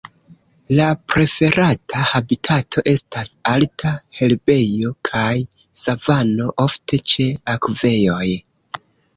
La preferata habitato estas alta herbejo kaj savano, ofte ĉe akvejoj.